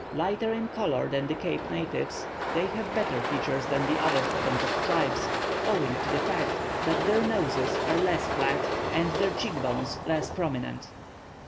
Lighter in colour than the Cape natives, they have better features than the other Hottentot tribes, owing to the fact that their noses are less flat and their cheek bones less prominent."